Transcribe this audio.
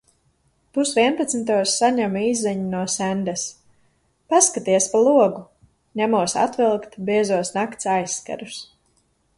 Pusvienpadsmitos saņemu īsziņu no Sendas – paskaties pa logu! Ņemos atvilkt biezos nakts aizkarus.